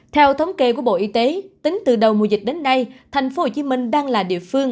theo thống kê của bộ y tế tính từ đầu mùa dịch đến nay tp hcm đang là địa phương